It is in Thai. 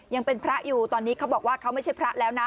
ยังเป็นพระอยู่ตอนนี้เขาบอกว่าเขาไม่ใช่พระแล้วนะ